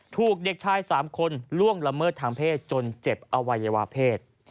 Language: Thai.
ถูกเด็กชาย๓คนล่วงละเมิดทางเพศจนเจ็บอวัยวะเพศ